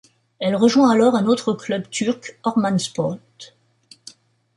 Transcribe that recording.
Elle rejoint alors un autre club turc, Ormanspot.